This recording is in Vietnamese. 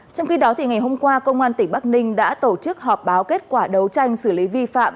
trong khi đó ngày hôm qua công an tỉnh bắc ninh đã tổ chức họp báo kết quả đấu tranh xử lý vi phạm